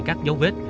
các dấu vết